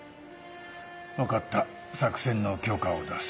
分かった作戦の許可を出す。